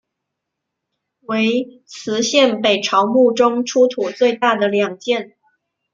为磁县北朝墓中出土最大的两件。